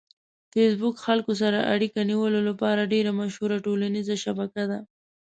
فېسبوک خلک سره اړیکه نیولو لپاره ډېره مشهوره ټولنیزه شبکه ده.